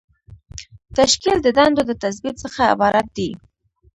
تشکیل د دندو د تثبیت څخه عبارت دی.